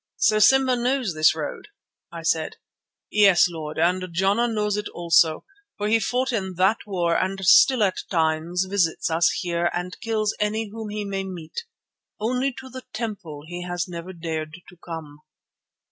"So Simba knows this road?" I said. "Yes, Lord, and Jana knows it also, for he fought in that war and still at times visits us here and kills any whom he may meet. Only to the temple he has never dared to come."